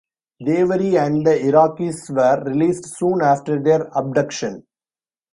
Dewari and the Iraqis were released soon after their abduction.